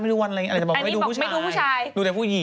ไม่ดูวันอะไรอย่างนี้จะบอกว่าไม่ดูผู้ชายดูแต่ผู้หญิงอันนี้บอกไม่ดูผู้ชาย